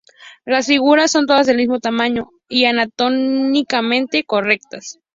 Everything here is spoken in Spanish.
Las figuras son todas del mismo tamaño y anatómicamente correctas.